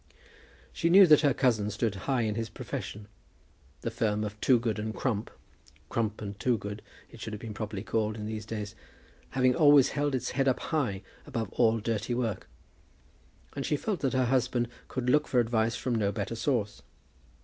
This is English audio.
She knew that her cousin stood high in his profession, the firm of Toogood and Crump, Crump and Toogood it should have been properly called in these days, having always held its head up high above all dirty work; and she felt that her husband could look for advice from no better source.